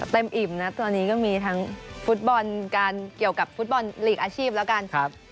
อิ่มนะตอนนี้ก็มีทั้งฟุตบอลการเกี่ยวกับฟุตบอลลีกอาชีพแล้วกัน